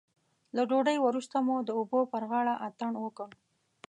له ډوډۍ وروسته مو د اوبو پر غاړه اتڼ وکړ.